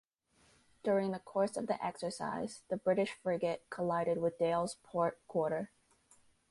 During the course of the exercise, the British frigate collided with "Dale"s port quarter.